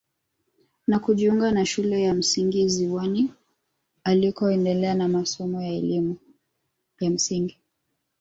Na kujiunga na shule ya msingi ziwani alikoendelea na masomo ya elimu ya msingi